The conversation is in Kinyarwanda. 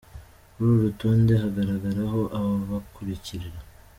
Kuri uru rutonde hagaragaraho aba bakurikira: